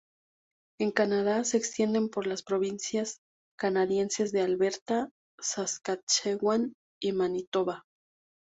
En Canadá, se extienden por las provincias canadienses de Alberta, Saskatchewan y Manitoba.